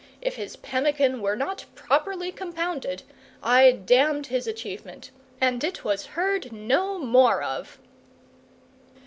If his pemmican were not properly compounded I damned his achievement, and it was heard no more of.